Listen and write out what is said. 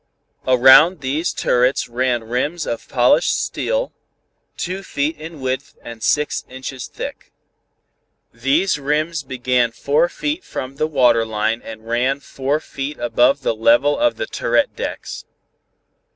Around these turrets ran rims of polished steel, two feet in width and six inches thick. These rims began four feet from the water line and ran four feet above the level of the turret decks.